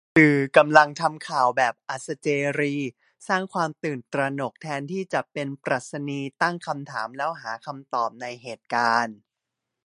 สื่อกำลังทำข่าวแบบ " !" สร้างความตื่นตระหนก แทนที่จะเป็น " ?" ตั้งคำถามแล้วหาคำตอบในเหตุการณ์